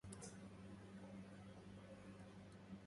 أخا ثقتي أعزز علي بنوبة